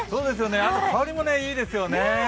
あと香りもいいですよね。